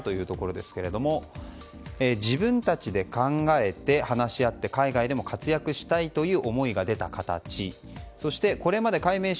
この背景には何があるのかというところですけども自分たちで考えて話し合って海外でも活躍したいという思いが出た形。